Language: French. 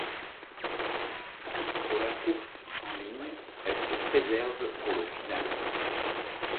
Sur la course en ligne, elle se préserve pour le final.